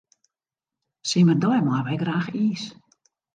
Simmerdei meie wy graach iis.